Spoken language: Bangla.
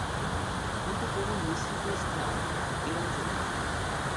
কিন্তু কোন মিশ্রিত স্থান অত্র অঞ্চলে নেই।